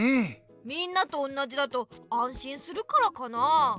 みんなとおんなじだとあんしんするからかなあ。